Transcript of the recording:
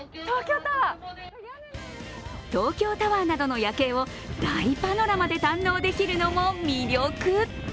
東京タワーなどの夜景を大パノラマで堪能できるのも魅力。